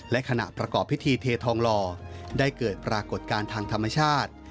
และขณะประกอบพิธีเททองหล่อได้เกิดปรากฏการณ์ทางธรรมชาติ